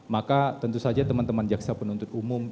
maka tentu saja teman teman jaksa penuntut umum